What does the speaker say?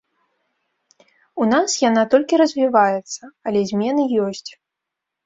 У нас яна толькі развіваецца, але змены ёсць.